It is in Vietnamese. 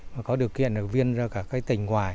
và có được kỷ niệm viên ra cả cái tỉnh ngoài